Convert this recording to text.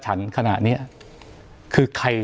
ขณะนี้คือใคร